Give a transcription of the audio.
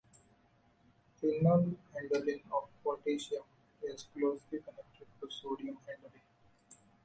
Renal handling of potassium is closely connected to sodium handling.